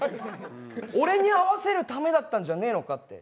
俺に会わせるためだったんじゃねえかって。